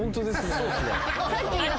そうっすね。